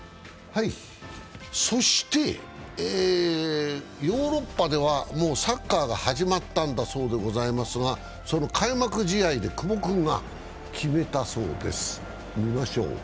そしてヨーロッパではもうサッカーが始まったんだそうでございますが開幕試合で久保君が決めたそうです。